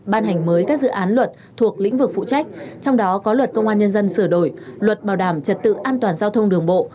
ban hành mới các dự án luật thuộc lĩnh vực phụ trách trong đó có luật công an nhân dân sửa đổi luật bảo đảm trật tự an toàn giao thông đường bộ